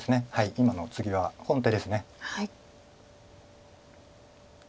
今のツギは本手です。